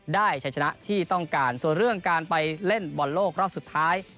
ชัยชนะที่ต้องการส่วนเรื่องการไปเล่นบอลโลกรอบสุดท้าย